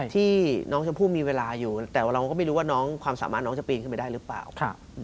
ที่น้องชมพู่มีเวลาอยู่แต่ว่าเราก็ไม่รู้ว่าน้องความสามารถน้องจะปีนขึ้นไปได้หรือเปล่า